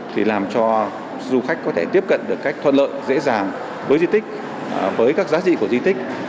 thì làm cho du khách có thể tiếp cận được cách thuận lợi dễ dàng với di tích với các giá trị của di tích